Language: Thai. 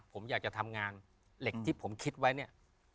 ผมอยากจะทำงานเหล็กที่ผมคิดไว้เนี่ย